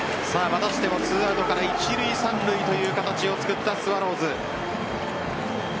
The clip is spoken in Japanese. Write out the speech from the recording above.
またしても２アウトから一塁・三塁という形を作ったスワローズ。